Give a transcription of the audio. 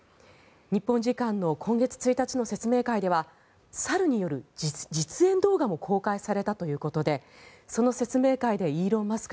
日本時間の今月１日の説明会では猿による実演動画も公開されたということでその説明会でイーロン・マスク